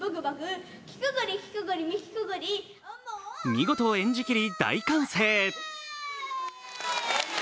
見事演じきり、大歓声。